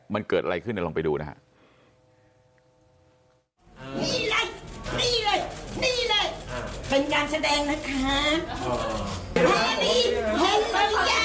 มันเกิดอะไรขึ้นลองไปดูนะฮะ